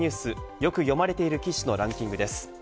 よく読まれている記事のランキングです。